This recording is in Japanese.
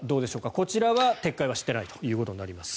こちらは撤回はしていないということになります。